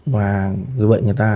và như vậy người ta